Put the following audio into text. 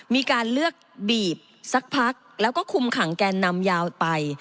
มีการเลือกบีบสักพักแล้วก็คุมขังแกนนำยาวไป